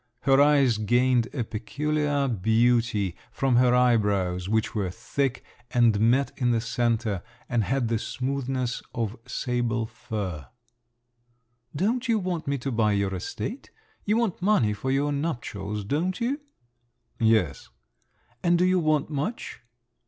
Her eyes gained a peculiar beauty from her eyebrows, which were thick, and met in the centre, and had the smoothness of sable fur). "Don't you want me to buy your estate? You want money for your nuptials? Don't you?" "Yes." "And do you want much?"